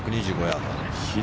１２５ヤード。